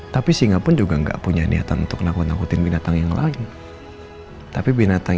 tapi singapura juga enggak punya niatan untuk nakut nakutin binatang yang lain tapi binatang